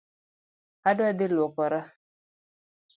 Adwa dhi luokora